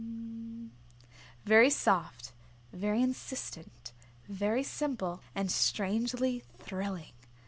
Very soft, very insistent, very simple and strangely thrilling.